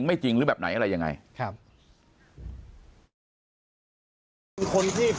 ปากกับภาคภูมิ